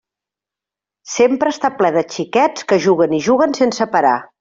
Sempre està ple de xiquets que juguen i juguen sense parar.